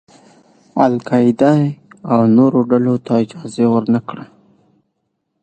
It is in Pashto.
القاعدې او نورو ډلو ته اجازه ور نه کړي.